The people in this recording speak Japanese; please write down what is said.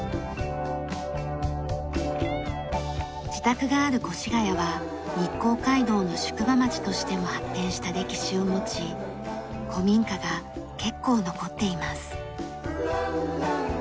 自宅がある越谷は日光街道の宿場町としても発展した歴史を持ち古民家が結構残っています。